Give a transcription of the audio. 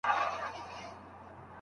جنون د حسن پر امساء باندې راوښويدی